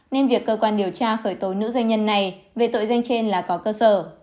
nên việc cơ quan điều tra khởi tố nữ doanh nhân này về tội danh trên là có cơ sở